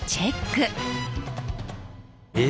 え。